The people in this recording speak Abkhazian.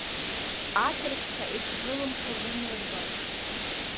Аҭырқәцәа егьшрылымшоз анырба…